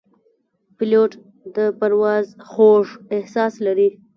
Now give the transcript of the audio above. پیلوټ د پرواز خوږ احساس لري.